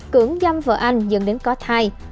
cưỡng dăm vợ anh dẫn đến có thai